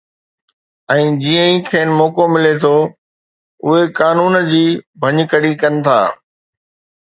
۽ جيئن ئي کين موقعو ملي ٿو، اهي قانون جي ڀڃڪڙي ڪن ٿا